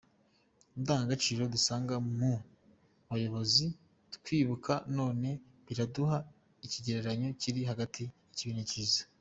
Indangagaciro dusanga mu bayobozi twibuka none, biraduha ikigereranyo kiri hagati y'ikibi n'icyiza.